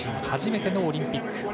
初めてのオリンピック。